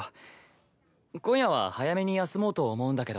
今夜は早めに休もうと思うんだけどいいかな？